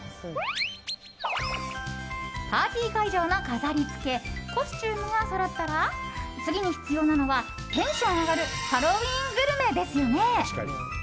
パーティー会場の飾りつけコスチュームがそろったら次に必要なのはテンション上がるハロウィーングルメですよね。